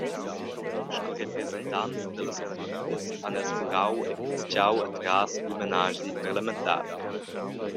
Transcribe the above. Sco representants dallas partidas han els furau e piztgau atras il menaschi parlamentari.